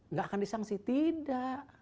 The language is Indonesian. nggak akan disangsi tidak